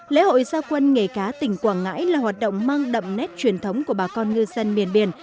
lễ hội gia quân nghề cá tỉnh quảng ngãi là hoạt động mang đậm nét truyền thống của bà con ngư dân miền biển